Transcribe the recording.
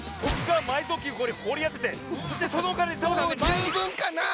もうじゅうぶんかなぁ！